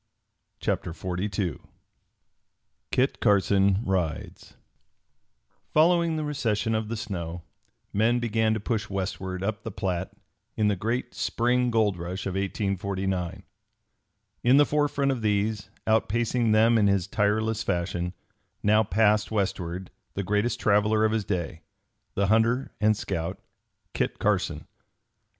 CHAPTER XLII KIT CARSON RIDES Following the recession of the snow, men began to push westward up the Platte in the great spring gold rush of 1849. In the forefront of these, outpacing them in his tireless fashion, now passed westward the greatest traveler of his day, the hunter and scout, Kit Carson.